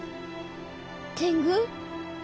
天狗？